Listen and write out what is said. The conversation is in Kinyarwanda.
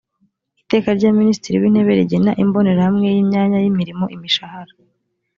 iteka rya minisitiri w intebe rigena imbonerahamwe y imyanya y imirimo imishahara